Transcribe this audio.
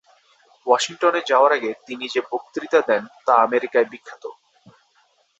ওয়াশিংটনে যাওয়ার আগে তিনি যে বক্তৃতা দেন তা আমেরিকায় বিখ্যাত।